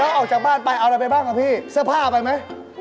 แล้วออกจากบ้านไปเอาอะไรไปบ้างครับพี่เสื้อผ้าไปไหม